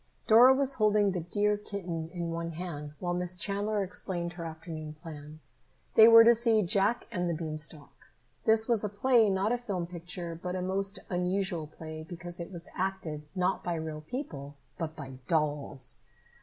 Dora was holding the dear kitten in one hand while Miss Chandler explained her afternoon plan. They were to see "Jack and the Beanstalk." This was a play, not a film picture, but a most unusual play, because it was acted, not by real people, but by dolls!